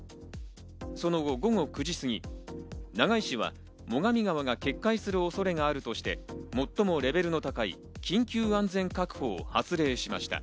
その後、午後９時過ぎ、長井市は最上川が決壊する恐れがあるとして最もレベルの高い緊急安全確保を発令しました。